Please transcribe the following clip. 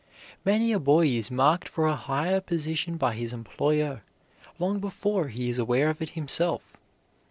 Many a boy is marked for a higher position by his employer long before he is aware of it himself.